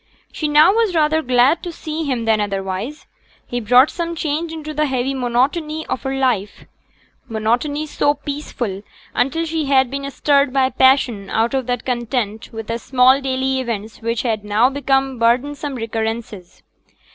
She now was rather glad to see him than otherwise. He brought some change into the heavy monotony of her life monotony so peaceful until she had been stirred by passion out of that content with the small daily events which had now become burdensome recurrences.